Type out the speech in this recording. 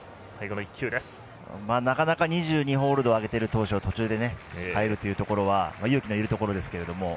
なかなか２２ホールドを挙げてる投手を途中で代えるということは勇気のいるところですが。